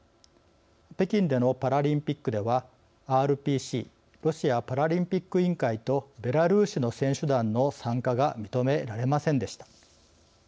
北京でのパラリンピックではＲＰＣ＝ロシアパラリンピック委員会とベラルーシの選手団の参加が認められませんでした。